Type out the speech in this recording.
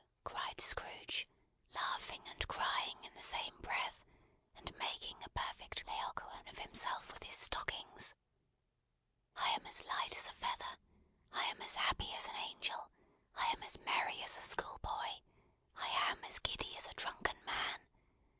cried Scrooge, laughing and crying in the same breath; and making a perfect Laocoön of himself with his stockings. "I am as light as a feather, I am as happy as an angel, I am as merry as a schoolboy. I am as giddy as a drunken man.